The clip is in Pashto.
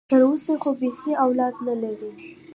تر اوسه خو بيخي اولاد لا نه لري.